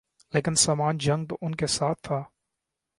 لیکن سامان جنگ تو ان کے ساتھ تھا۔